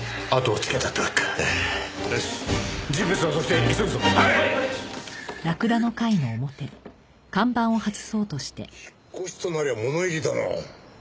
引っ越しとなりゃ物入りだな。